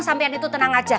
sampai itu tenang aja